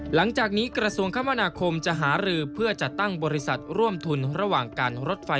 หลังจากนี้กระทรวงคมนาคมจะหารือเพื่อจัดตั้งบริษัทร่วมทุนระหว่างการรถไฟ